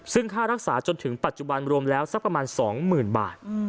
ซึ่งค่ารักษาจนถึงปัจจุบันรวมแล้วสักประมาณ๒๐๐๐บาท